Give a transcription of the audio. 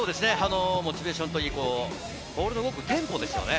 モチベーションといい、ボールの動くテンポですよね。